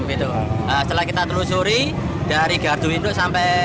setelah kita telusuri dari gardu induk sampai